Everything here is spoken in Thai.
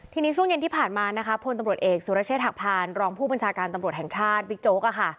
ทีนี้ช่วงเย็นที่ผ่านมานะคะพลตำรวจเอกสุรเชษฐหักพานรองผู้บัญชาการตำรวจแห่งชาติบิ๊กโจ๊ก